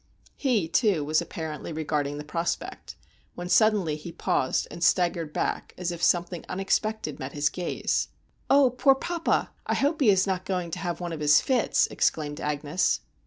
He, too, was apparently regarding the prospect, when suddenly he paused and staggered back, as if something unexpected met his gaze. "Oh, poor papa! I hope he is not going to have one of his fits!" exclaimed Agnes.